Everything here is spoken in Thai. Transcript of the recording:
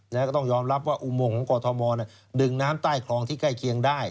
แล้วก็ต้องยอมรับว่าอุโมงของกรทมดึงน้ำใต้คลองที่ใกล้เคียงได้